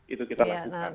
itu kita lakukan